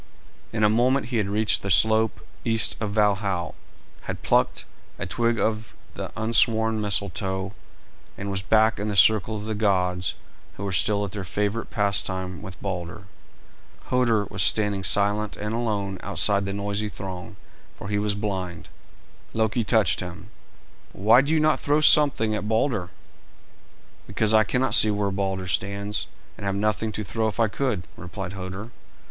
In a moment he had reached the slope east of Valhal, had plucked a twig of the unsworn Mistletoe, and was back in the circle of the gods, who were still at their favourite pastime with Balder. Hoder was standing silent and alone outside the noisy throng, for he was blind. Loki touched him. "Why do you not throw something at Balder?" "Because I cannot see where Balder stands, and have nothing to throw if I could," replied Hoder.